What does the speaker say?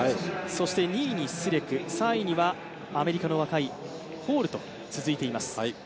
２位にスレク、３位にはアメリカの若いホールと続いています。